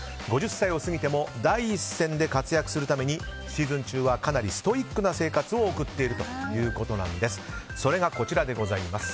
５０歳を過ぎても第一線で活躍するためにシーズン中はかなりストイックな生活を送っているということです。